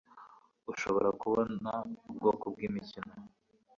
urashobora kubona ubwoko bwimikino